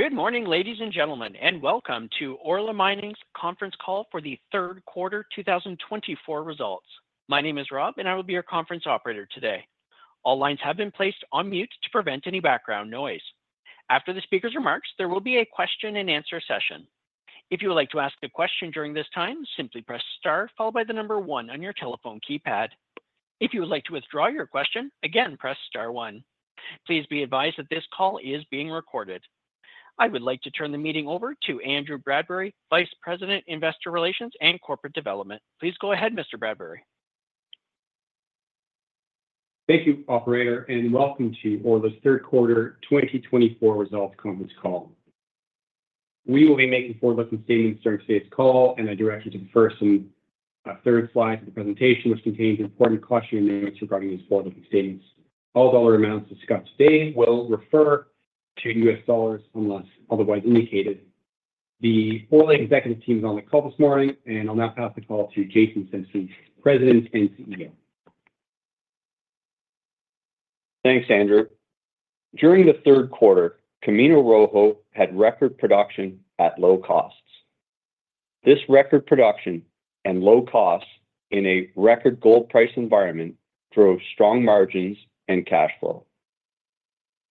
Good morning, ladies and gentlemen, and welcome to Orla Mining's conference call for the third quarter 2024 results. My name is Rob, and I will be your conference operator today. All lines have been placed on mute to prevent any background noise. After the speaker's remarks, there will be a question-and-answer session. If you would like to ask a question during this time, simply press Star, followed by the number one on your telephone keypad. If you would like to withdraw your question, again, press Star one. Please be advised that this call is being recorded. I would like to turn the meeting over to Andrew Bradbury, Vice President, Investor Relations and Corporate Development. Please go ahead, Mr. Bradbury. Thank you, Operator, and welcome to Orla's third quarter 2024 results conference call. We will be making forward-looking statements during today's call, and I direct you to the first and third slides of the presentation, which contain important cautionary notes regarding these forward-looking statements. All dollar amounts discussed today will refer to U.S. dollars unless otherwise indicated. The Orla executive team is on the call this morning, and I'll now pass the call to Jason Simpson, President and CEO. Thanks, Andrew. During the third quarter, Camino Rojo had record production at low costs. This record production and low costs in a record gold price environment drove strong margins and cash flow.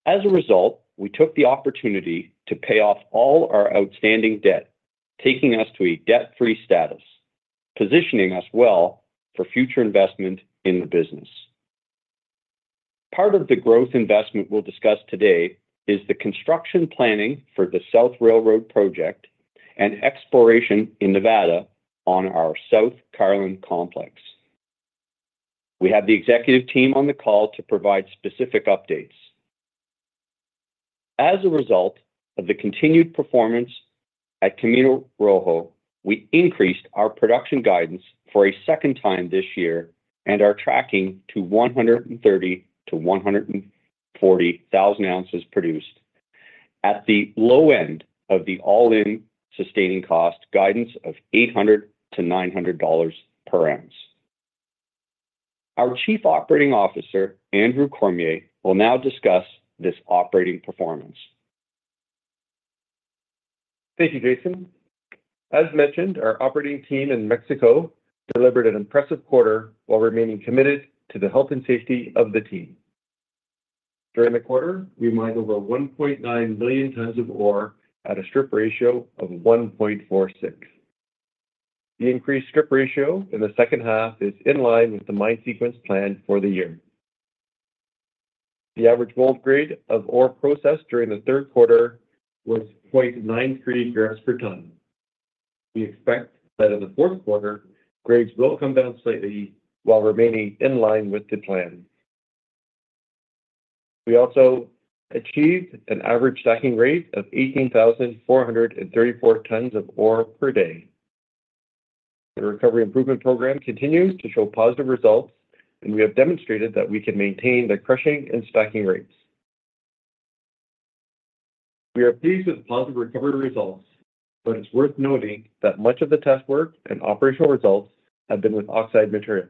As a result, we took the opportunity to pay off all our outstanding debt, taking us to a debt-free status, positioning us well for future investment in the business. Part of the growth investment we'll discuss today is the construction planning for the South Railroad project and exploration in Nevada on our South Carlin Complex. We have the executive team on the call to provide specific updates. As a result of the continued performance at Camino Rojo, we increased our production guidance for a second time this year and we're tracking to 130,000-140,000 ounces produced at the low end of the all-in sustaining cost guidance of $800-$900 per ounce. Our Chief Operating Officer, Andrew Cormier, will now discuss this operating performance. Thank you, Jason. As mentioned, our operating team in Mexico delivered an impressive quarter while remaining committed to the health and safety of the team. During the quarter, we mined over 1.9 million tons of ore at a strip ratio of 1.46. The increased strip ratio in the second half is in line with the mine sequence planned for the year. The average gold grade of ore processed during the third quarter was 0.93 grams per ton. We expect that in the fourth quarter, grades will come down slightly while remaining in line with the plan. We also achieved an average stacking rate of 18,434 tons of ore per day. The recovery improvement program continues to show positive results, and we have demonstrated that we can maintain the crushing and stacking rates. We are pleased with the positive recovery results, but it's worth noting that much of the test work and operational results have been with oxide material.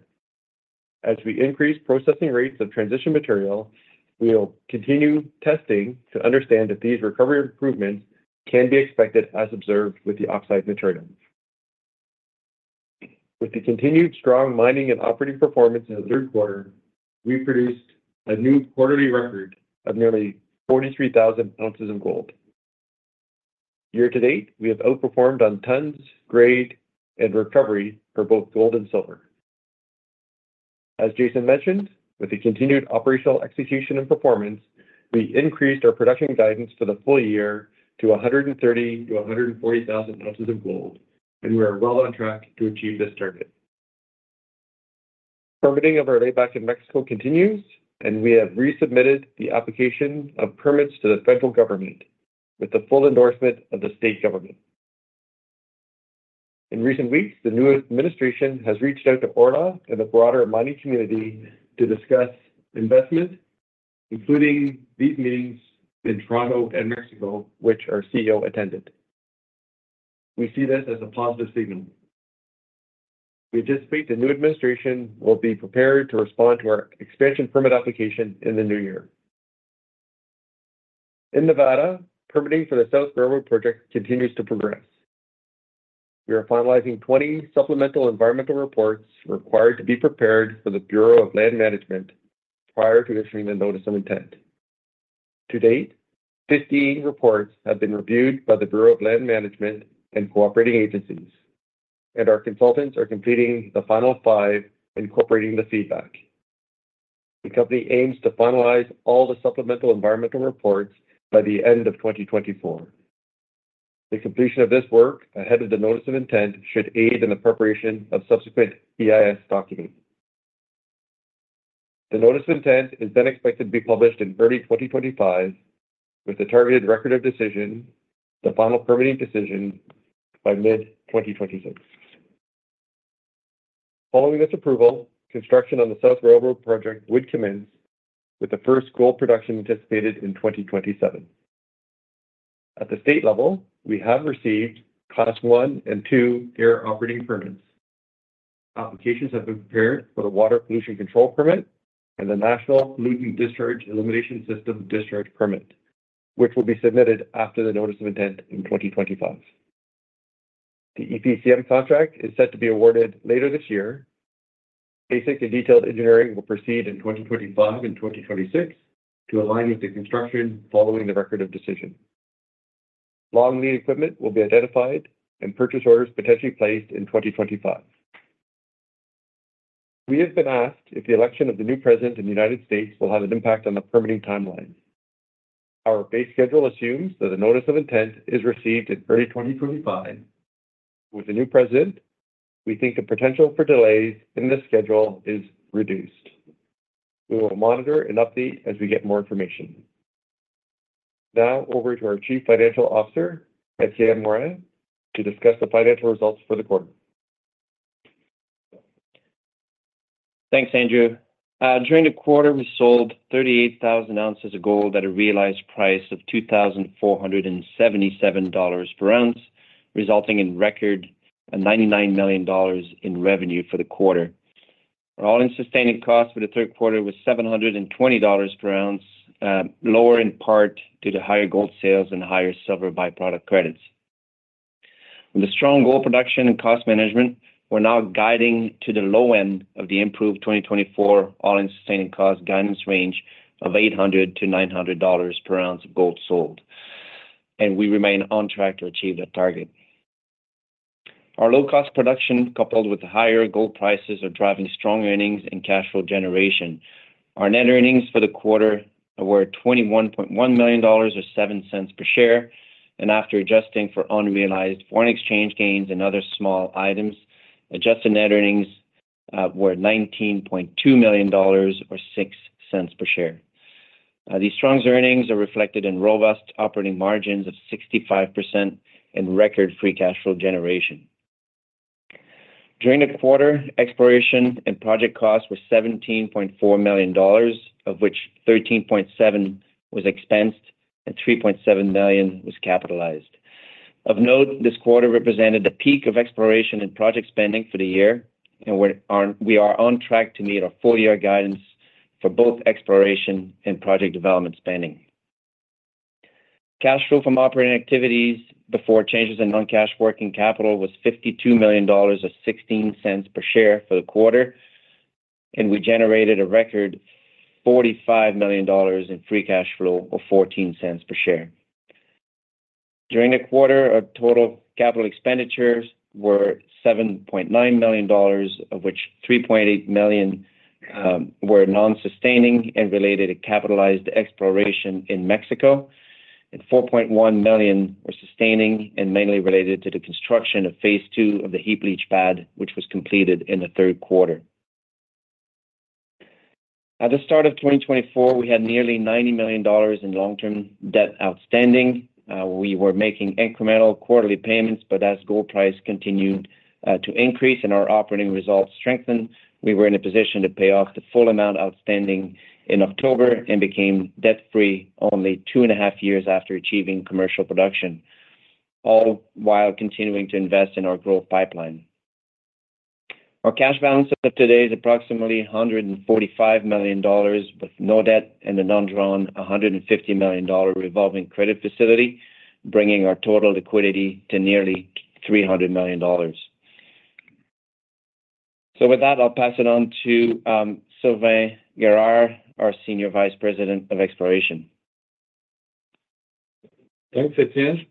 As we increase processing rates of transition material, we will continue testing to understand if these recovery improvements can be expected as observed with the oxide material. With the continued strong mining and operating performance in the third quarter, we produced a new quarterly record of nearly 43,000 ounces of gold. Year to date, we have outperformed on tons, grade, and recovery for both gold and silver. As Jason mentioned, with the continued operational execution and performance, we increased our production guidance for the full year to 130,000-140,000 ounces of gold, and we are well on track to achieve this target. Permitting of our layback in Mexico continues, and we have resubmitted the application of permits to the federal government with the full endorsement of the state government. In recent weeks, the new administration has reached out to Orla and the broader mining community to discuss investment, including these meetings in Toronto and Mexico, which our CEO attended. We see this as a positive signal. We anticipate the new administration will be prepared to respond to our expansion permit application in the new year. In Nevada, permitting for the South Railroad project continues to progress. We are finalizing 20 supplemental environmental reports required to be prepared for the Bureau of Land Management prior to issuing the Notice of Intent. To date, 15 reports have been reviewed by the Bureau of Land Management and Cooperating Agencies, and our consultants are completing the final five and incorporating the feedback. The company aims to finalize all the supplemental environmental reports by the end of 2024. The completion of this work ahead of the Notice of Intent should aid in the preparation of subsequent EIS documents. The Notice of Intent is then expected to be published in early 2025 with the targeted Record of Decision, the final permitting decision, by mid-2026. Following this approval, construction on the South Railroad project would commence with the first gold production anticipated in 2027. At the state level, we have received Class I and II air operating permits. Applications have been prepared for the Water Pollution Control Permit and the National Pollutant Discharge Elimination System discharge permit, which will be submitted after the Notice of Intent in 2025. The EPCM contract is set to be awarded later this year. Basic and detailed engineering will proceed in 2025 and 2026 to align with the construction following the Record of Decision. Long-lead equipment will be identified, and purchase orders potentially placed in 2025. We have been asked if the election of the new president in the United States will have an impact on the permitting timeline. Our base schedule assumes that the Notice of Intent is received in early 2025. With the new president, we think the potential for delays in the schedule is reduced. We will monitor and update as we get more information. Now, over to our Chief Financial Officer, Etienne Morin, to discuss the financial results for the quarter. Thanks, Andrew. During the quarter, we sold 38,000 ounces of gold at a realized price of $2,477 per ounce, resulting in record $99 million in revenue for the quarter. Our all-in sustaining cost for the third quarter was $720 per ounce, lower in part due to higher gold sales and higher silver byproduct credits. With the strong gold production and cost management, we're now guiding to the low end of the improved 2024 all-in sustaining cost guidance range of $800-$900 per ounce of gold sold, and we remain on track to achieve that target. Our low-cost production, coupled with higher gold prices, are driving strong earnings and cash flow generation. Our net earnings for the quarter were $21.1 million or $0.07 per share, and after adjusting for unrealized foreign exchange gains and other small items, adjusted net earnings were $19.2 million or $0.06 per share. These strong earnings are reflected in robust operating margins of 65% and record free cash flow generation. During the quarter, exploration and project costs were $17.4 million, of which $13.7 million was expensed and $3.7 million was capitalized. Of note, this quarter represented the peak of exploration and project spending for the year, and we are on track to meet our full-year guidance for both exploration and project development spending. Cash flow from operating activities before changes in non-cash working capital was $52 million or $0.16 per share for the quarter, and we generated a record $45 million in free cash flow or $0.14 per share. During the quarter, our total capital expenditures were $7.9 million, of which $3.8 million were non-sustaining and related to capitalized exploration in Mexico, and $4.1 million were sustaining and mainly related to the construction of phase two of the heap leach pad, which was completed in the third quarter. At the start of 2024, we had nearly $90 million in long-term debt outstanding. We were making incremental quarterly payments, but as gold price continued to increase and our operating results strengthened, we were in a position to pay off the full amount outstanding in October and became debt-free only two and a half years after achieving commercial production, all while continuing to invest in our growth pipeline. Our cash balance as of today is approximately $145 million, with no debt and a non-drawn $150 million revolving credit facility, bringing our total liquidity to nearly $300 million. So with that, I'll pass it on to Sylvain Guerard, our Senior Vice President of Exploration. Thanks, Etienne.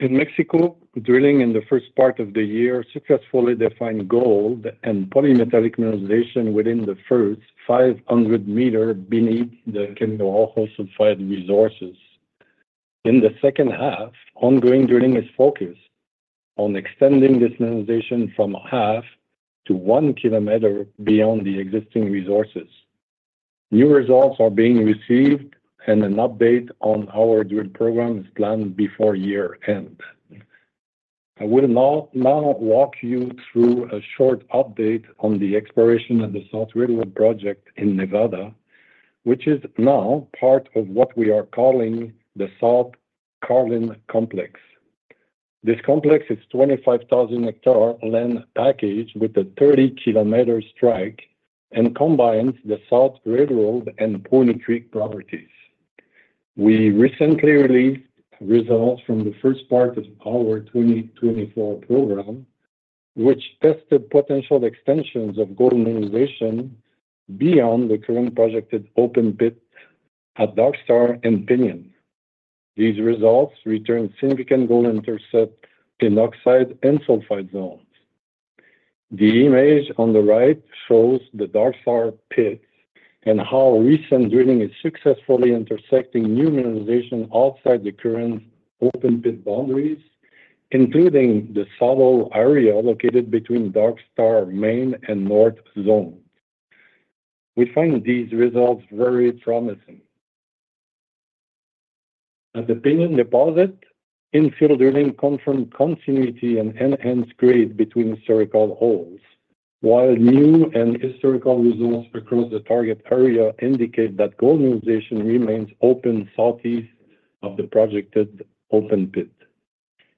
In Mexico, drilling in the first part of the year successfully defined gold and polymetallic mineralization within the first 500 meters beneath the Camino Rojo's oxide resources. In the second half, ongoing drilling is focused on extending this mineralization from half to one kilometer beyond the existing resources. New results are being received, and an update on our drill program is planned before year-end. I will now walk you through a short update on the exploration of the South Railroad project in Nevada, which is now part of what we are calling the South Carlin Complex. This complex is a 25,000-hectare land package with a 30-kilometer strike and combines the South Railroad and Point Creek properties. We recently released results from the first part of our 2024 program, which tested potential extensions of gold mineralization beyond the current projected open pit at Dark Star and Pinion. These results returned significant gold intercept in oxide and sulfide zones. The image on the right shows the Dark Star pit and how recent drilling is successfully intersecting new mineralization outside the current open pit boundaries, including the saddle area located between Dark Star Main and North Zone. We find these results very promising. At the Pinion deposit, in-fill drilling confirmed continuity and enhanced grade between historical holes, while new and historical results across the target area indicate that gold mineralization remains open southeast of the projected open pit.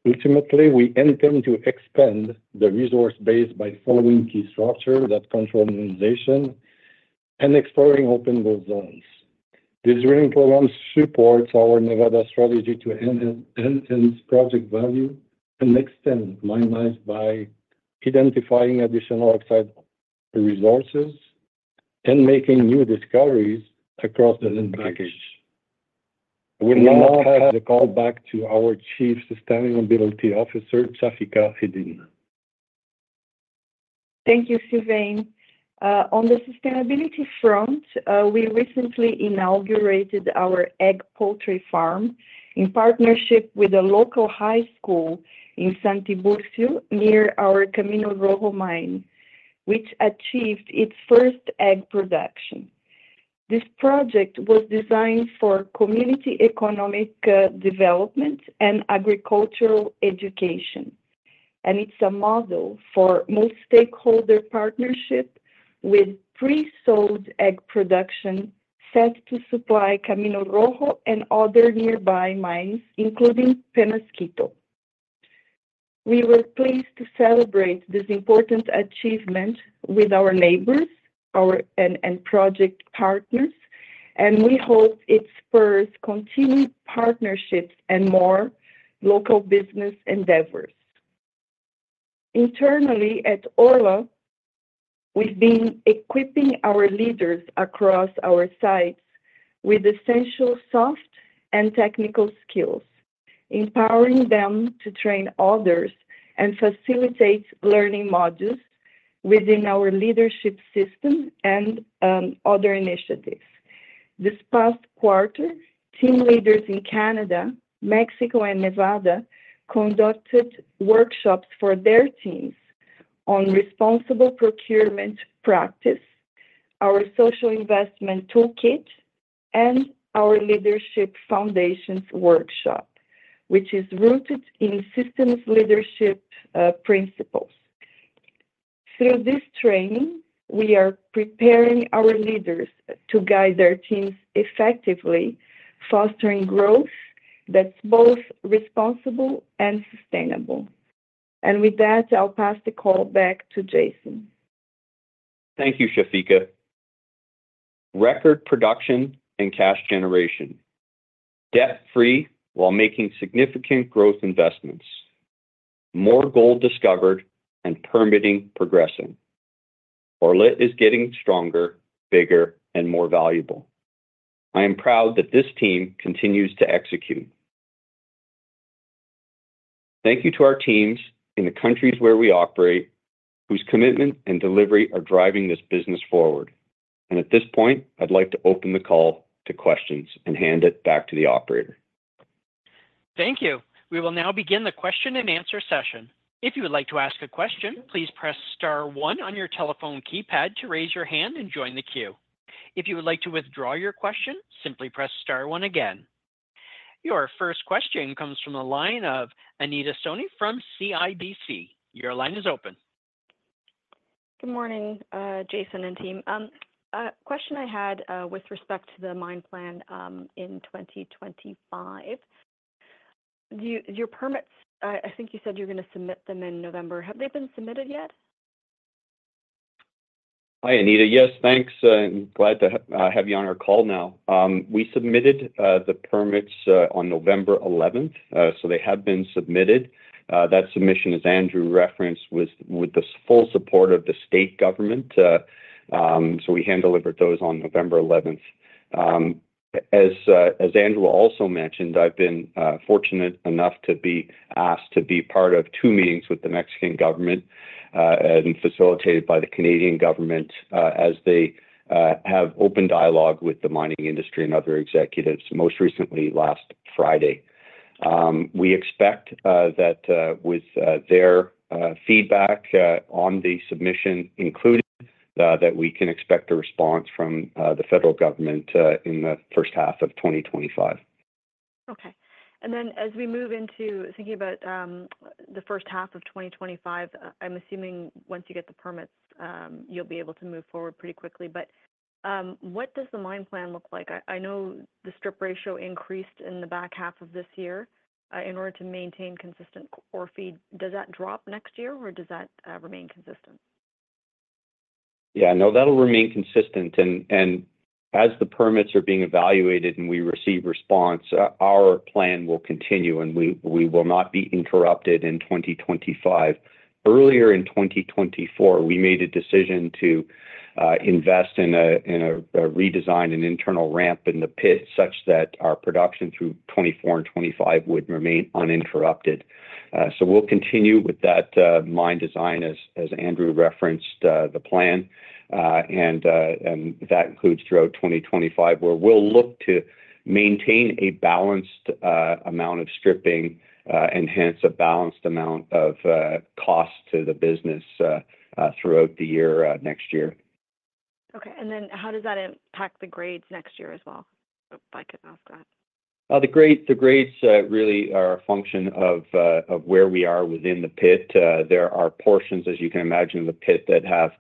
Ultimately, we intend to expand the resource base by following key structures that control mineralization and exploring open gold zones. This drilling program supports our Nevada strategy to enhance project value and extend mineralization by identifying additional oxide resources and making new discoveries across the land package. We now have the call back to our Chief Sustainability Officer, Chafika Eddine. Thank you, Sylvain. On the sustainability front, we recently inaugurated our egg poultry farm in partnership with a local high school in San Tiburcio near our Camino Rojo mine, which achieved its first egg production. This project was designed for community economic development and agricultural education, and it's a model for multi-stakeholder partnership with pre-sold egg production set to supply Camino Rojo and other nearby mines, including Peñasquito. We were pleased to celebrate this important achievement with our neighbors and project partners, and we hope it spurs continued partnerships and more local business endeavors. Internally at Orla, we've been equipping our leaders across our sites with essential soft and technical skills, empowering them to train others and facilitate learning modules within our leadership system and other initiatives. This past quarter, team leaders in Canada, Mexico, and Nevada conducted workshops for their teams on responsible procurement practice, our social investment toolkit, and our leadership foundations workshop, which is rooted in systems leadership principles. Through this training, we are preparing our leaders to guide their teams effectively, fostering growth that's both responsible and sustainable. And with that, I'll pass the call back to Jason. Thank you, Chafika. Record production and cash generation, debt-free while making significant growth investments, more gold discovered, and permitting progressing. Orla is getting stronger, bigger, and more valuable. I am proud that this team continues to execute. Thank you to our teams in the countries where we operate, whose commitment and delivery are driving this business forward. And at this point, I'd like to open the call to questions and hand it back to the operator. Thank you. We will now begin the question-and-answer session. If you would like to ask a question, please press star one on your telephone keypad to raise your hand and join the queue. If you would like to withdraw your question, simply press star one again. Your first question comes from the line of Anita Soni from CIBC. Your line is open. Good morning, Jason and team. A question I had with respect to the mine plan in 2025. Your permits, I think you said you're going to submit them in November. Have they been submitted yet? Hi, Anita. Yes, thanks. I'm glad to have you on our call now. We submitted the permits on November 11th, so they have been submitted. That submission, as Andrew referenced, was with the full support of the state government, so we hand-delivered those on November 11th. As Andrew also mentioned, I've been fortunate enough to be asked to be part of two meetings with the Mexican government and facilitated by the Canadian government as they have open dialogue with the mining industry and other executives, most recently last Friday. We expect that with their feedback on the submission included, that we can expect a response from the federal government in the first half of 2025. Okay. And then as we move into thinking about the first half of 2025, I'm assuming once you get the permits, you'll be able to move forward pretty quickly. But what does the mine plan look like? I know the strip ratio increased in the back half of this year in order to maintain consistent ore feed. Does that drop next year, or does that remain consistent? Yeah, no, that'll remain consistent, and as the permits are being evaluated and we receive response, our plan will continue, and we will not be interrupted in 2025. Earlier in 2024, we made a decision to invest in a redesign and internal ramp in the pit such that our production through 2024 and 2025 would remain uninterrupted, So we'll continue with that mine design, as Andrew referenced, the plan, and that includes throughout 2025, where we'll look to maintain a balanced amount of stripping and hence a balanced amount of cost to the business throughout the year next year. Okay. And then how does that impact the grades next year as well? If I could ask that. The grades really are a function of where we are within the pit. There are portions, as you can imagine, of the pit that have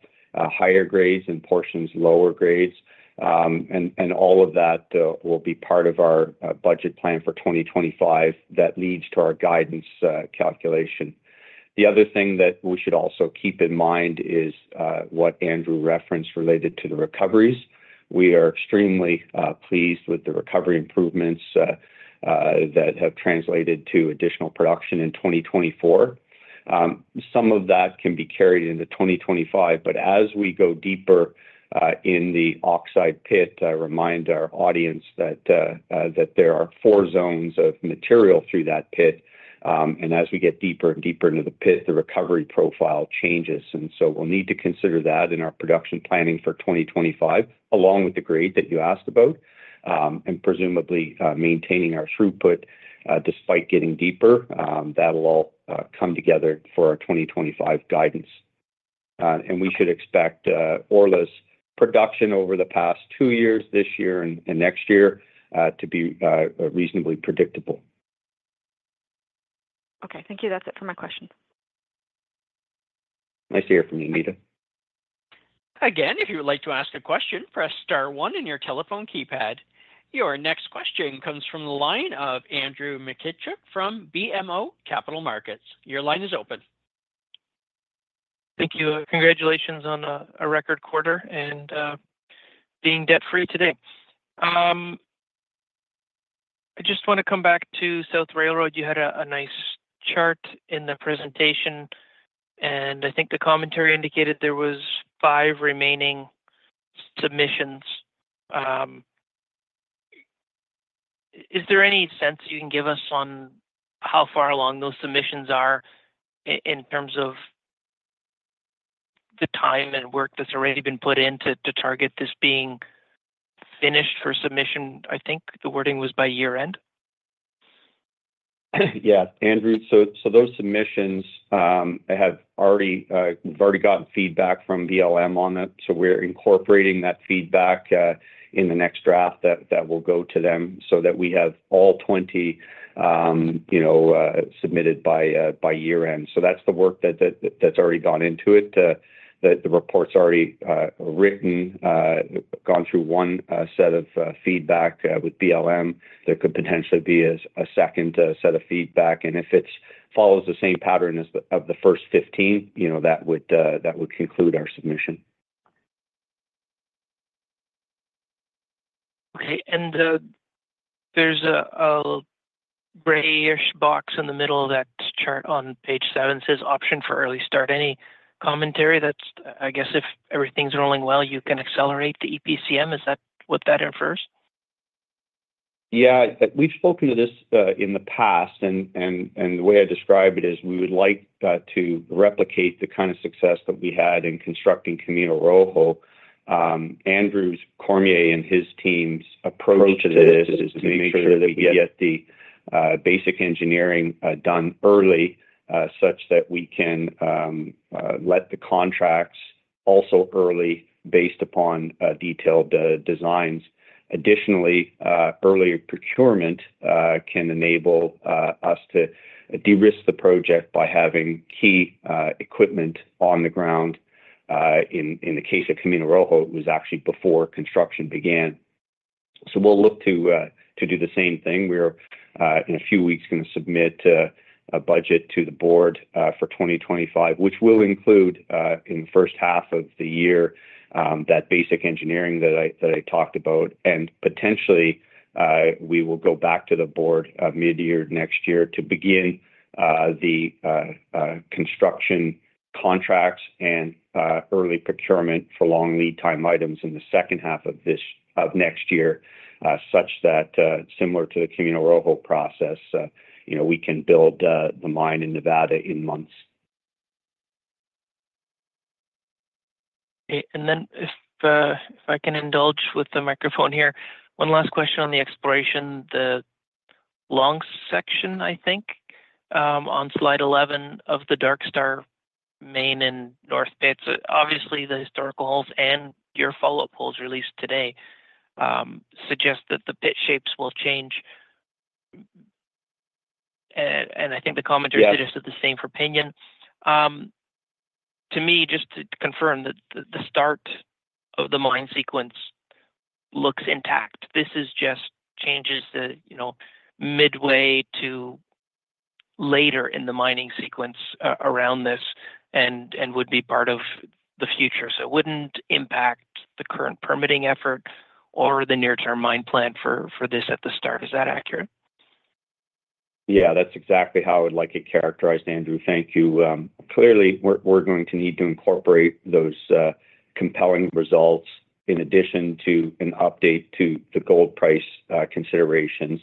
higher grades and portions lower grades. And all of that will be part of our budget plan for 2025 that leads to our guidance calculation. The other thing that we should also keep in mind is what Andrew referenced related to the recoveries. We are extremely pleased with the recovery improvements that have translated to additional production in 2024. Some of that can be carried into 2025, but as we go deeper in the oxide pit, I remind our audience that there are four zones of material through that pit. And as we get deeper and deeper into the pit, the recovery profile changes. And so we'll need to consider that in our production planning for 2025, along with the grade that you asked about, and presumably maintaining our throughput despite getting deeper. That'll all come together for our 2025 guidance, and we should expect Orla's production over the past two years, this year, and next year to be reasonably predictable. Okay. Thank you. That's it for my question. Nice to hear from you, Anita. Again, if you would like to ask a question, press star one in your telephone keypad. Your next question comes from the line of Andrew Mikitchuk from BMO Capital Markets. Your line is open. Thank you. Congratulations on a record quarter and being debt-free today. I just want to come back to South Railroad. You had a nice chart in the presentation, and I think the commentary indicated there were five remaining submissions. Is there any sense you can give us on how far along those submissions are in terms of the time and work that's already been put in to target this being finished for submission? I think the wording was by year-end. Yeah. Andrew, so those submissions, we've already gotten feedback from BLM on it, so we're incorporating that feedback in the next draft that will go to them so that we have all 20 submitted by year-end. So that's the work that's already gone into it. The report's already written, gone through one set of feedback with BLM. There could potentially be a second set of feedback. And if it follows the same pattern as the first 15, that would conclude our submission. Okay. And there's a grayish box in the middle of that chart on page seven. It says, "Option for early start." Any commentary that's, I guess, if everything's rolling well, you can accelerate the EPCM? Is that what that infers? Yeah. We've spoken to this in the past, and the way I describe it is we would like to replicate the kind of success that we had in constructing Camino Rojo. Andrew Cormier and his team's approach to this is to make sure that we get the basic engineering done early such that we can let the contracts out early based upon detailed designs. Additionally, earlier procurement can enable us to de-risk the project by having key equipment on the ground. In the case of Camino Rojo, it was actually before construction began. So we'll look to do the same thing. We are, in a few weeks, going to submit a budget to the board for 2025, which will include, in the first half of the year, that basic engineering that I talked about. And potentially, we will go back to the board mid-year next year to begin the construction contracts and early procurement for long lead-time items in the second half of next year such that, similar to the Camino Rojo process, we can build the mine in Nevada in months. And then, if I can indulge with the microphone here, one last question on the exploration, the long section, I think, on slide 11 of the Dark Star main and north pits. Obviously, the historical holes and your follow-up holes released today suggest that the pit shapes will change. And I think the commentary suggests that the same for Pinion. To me, just to confirm that the start of the mine sequence looks intact. This just changes midway to later in the mining sequence around this and would be part of the future. So it wouldn't impact the current permitting effort or the near-term mine plan for this at the start. Is that accurate? Yeah, that's exactly how I would like it characterized, Andrew. Thank you. Clearly, we're going to need to incorporate those compelling results in addition to an update to the gold price considerations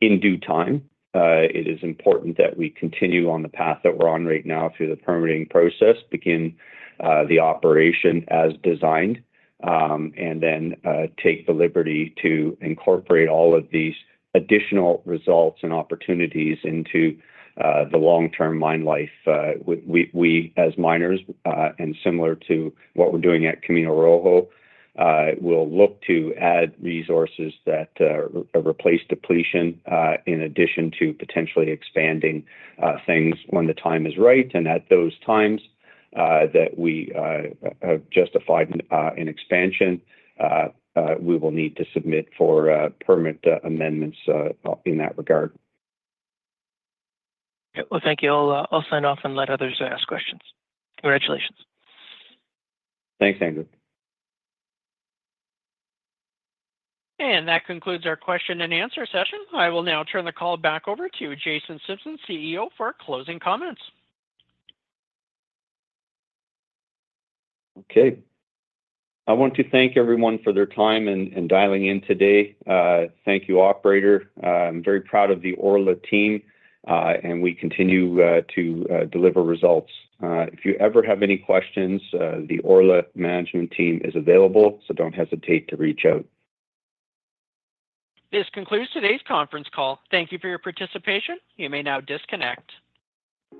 in due time. It is important that we continue on the path that we're on right now through the permitting process, begin the operation as designed, and then take the liberty to incorporate all of these additional results and opportunities into the long-term mine life. We, as miners, and similar to what we're doing at Camino Rojo, will look to add resources that replace depletion in addition to potentially expanding things when the time is right. And at those times that we have justified an expansion, we will need to submit for permit amendments in that regard. Thank you. I'll sign off and let others ask questions. Congratulations. Thanks, Andrew. That concludes our question-and-answer session. I will now turn the call back over to Jason Simpson, CEO, for closing comments. Okay. I want to thank everyone for their time and dialing in today. Thank you, operator. I'm very proud of the Orla team, and we continue to deliver results. If you ever have any questions, the Orla management team is available, so don't hesitate to reach out. This concludes today's conference call. Thank you for your participation. You may now disconnect.